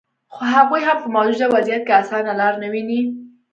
خو هغوي هم په موجوده وضعیت کې اسانه لار نه ویني